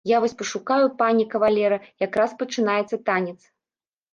Я вось пашукаю панне кавалера, якраз пачынаецца танец.